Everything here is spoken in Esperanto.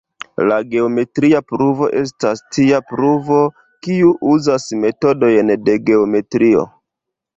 La geometria pruvo estas tia pruvo, kiu uzas metodojn de geometrio.